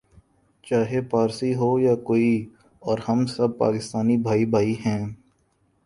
چاہے پارسی ہو یا کوئی اور ہم سب پاکستانی بھائی بھائی ہیں